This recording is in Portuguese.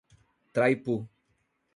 Traipu